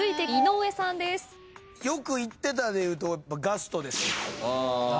よく行ってたでいうとガストですよ。